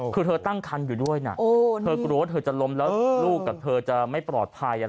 คือเธอตั้งคันอยู่ด้วยนะเธอกลัวว่าเธอจะล้มแล้วลูกกับเธอจะไม่ปลอดภัย